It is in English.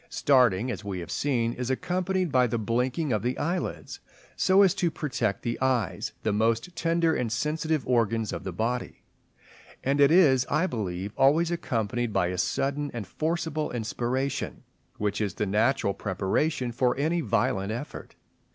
Starting, as we have seen, is accompanied by the blinking of the eyelids so as to protect the eyes, the most tender and sensitive organs of the body; and it is, I believe, always accompanied by a sudden and forcible inspiration, which is the natural preparation for any violent effort.